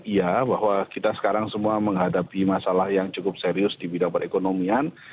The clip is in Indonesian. iya bahwa kita sekarang semua menghadapi masalah yang cukup serius di bidang perekonomian